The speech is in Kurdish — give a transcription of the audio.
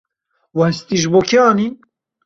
We hestî ji bo kê anîn?